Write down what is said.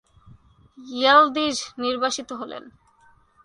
য়ীলদিজ্ নির্বাসিত হলেন।